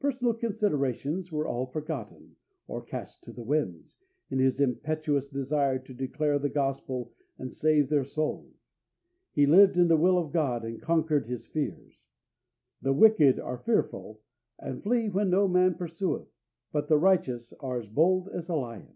Personal considerations were all forgotten, or cast to the winds, in his impetuous desire to declare the Gospel and save their souls. He lived in the will of God, and conquered his fears. "The wicked" are fearful, and "flee when no man pursueth; but the righteous are as bold as a lion."